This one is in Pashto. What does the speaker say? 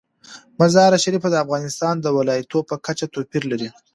مزارشریف د افغانستان د ولایاتو په کچه توپیر لري.